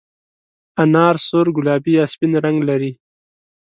انار سور، ګلابي یا سپین رنګ لري.